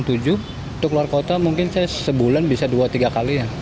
untuk luar kota mungkin saya sebulan bisa dua tiga kali ya